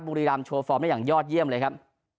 บุรีรำโชว์ฟอร์มได้อย่างยอดเยี่ยมเลยครับ